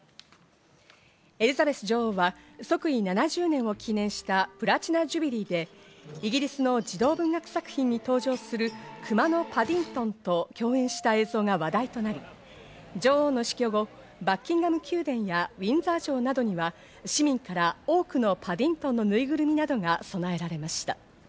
エリザベス女王は即位７０年を記念したプラチナ・ジュビリーで、イギリスの児童文学作品に登場する『くまのパディントン』と共演した映像が話題になり、女王の死去後、バッキンガム宮殿やウィンザー城などには、市民から多くのパディントンのぬいぐるみなどが供えられました。